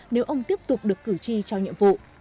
nếu ông tiếp tục được cử tri cho nhiệm vụ